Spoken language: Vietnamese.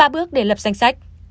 ba bước để lập danh sách